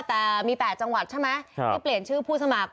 แต่มี๘จังหวัดใช่ไหมที่เปลี่ยนชื่อผู้สมัคร